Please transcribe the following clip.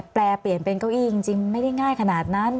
แปลเปลี่ยนเป็นเก้าอี้จริงไม่ได้ง่ายขนาดนั้น